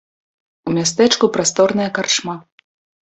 У мястэчку прасторная карчма.